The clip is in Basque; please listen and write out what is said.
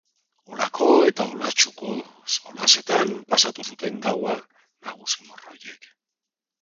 Holako eta holatsuko solasetan pasatu zuten gaua nagusi-morroiek.